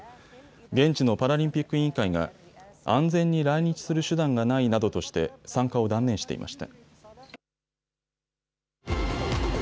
現地のパラリンピック委員会が安全に来日する手段がないなどとして参加を断念していました。